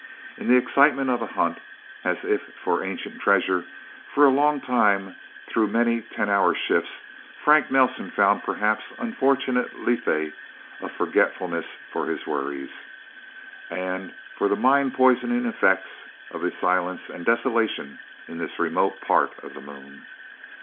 In the excitement of a hunt, as if for ancient treasure, for a long time, through many ten hour shifts, Frank Nelsen found a perhaps unfortunate Lethe of forgetfulness for his worries, and for the mind poisoning effects of the silence and desolation in this remote part of the Moon.